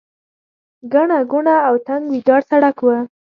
ګڼه ګوڼه او تنګ ویجاړ سړک و.